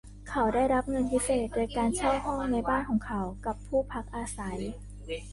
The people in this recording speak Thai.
เขาได้รับเงินพิเศษโดยการเช่าห้องในบ้านของเขากับผู้พักอาศัย